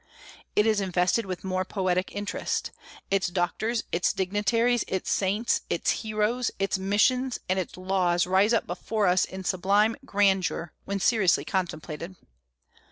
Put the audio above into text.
It is invested with more poetic interest. Its doctors, its dignitaries, its saints, its heroes, its missions, and its laws rise up before us in sublime grandeur when seriously contemplated.